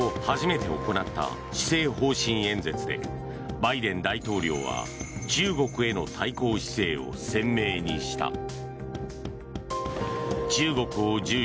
初めて行った施政方針演説でバイデン大統領は中国への対抗姿勢を鮮明にした。